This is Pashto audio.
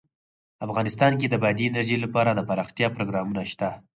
افغانستان کې د بادي انرژي لپاره دپرمختیا پروګرامونه شته.